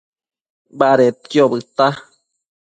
Badedquio bëdta